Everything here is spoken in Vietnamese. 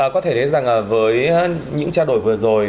có thể thấy rằng với những trao đổi vừa rồi